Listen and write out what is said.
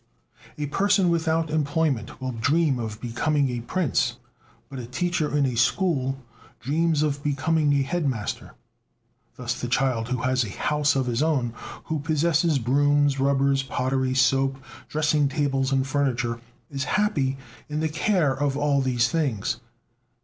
A person without employment will dream of becoming a prince; but a teacher in a school dreams of becoming a head master. Thus the child who has a "house" of his own, who possesses brooms, rubbers, pottery, soap, dressing tables and furniture, is happy in the care of all these things.